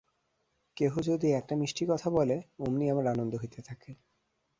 কেহ যদি একটি মিষ্টি কথা বলে, অমনি আমার আনন্দ হইতে থাকে।